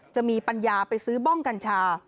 จะมีปัญญาไปซื้อบ้องกัญชา